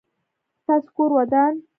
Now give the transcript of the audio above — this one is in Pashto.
ستاسو کور ودان؟